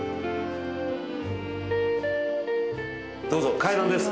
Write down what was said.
どうぞ階段です。